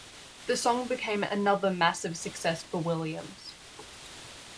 The song became another massive success for Williams.